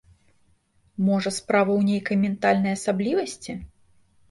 Можа, справа ў нейкай ментальнай асаблівасці?